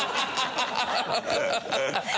ハハハハ！